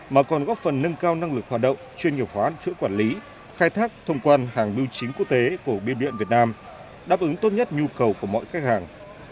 mà còn góp phần nâng cao năng lực hoạt động chuyên nghiệp hóa chuỗi quản lý khai thác thông quan hàng biêu chính quốc tế của biêu điện việt nam đáp ứng tốt nhất nhu cầu của mọi khách hàng